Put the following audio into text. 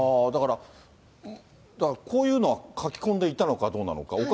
だから、こういうのは書き込んでいたのかどうなのか。